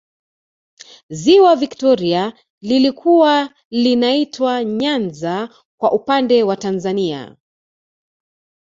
ziwa victoria lilikuwa linaitwa nyanza kwa upande wa tanzania